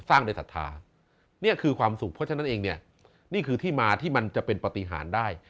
สร้างโดยศรัทธานี่คือความสุขเพราะฉะนั้นเองเนี่ยนี่คือที่มาที่มันจะเป็นปฏิหารได้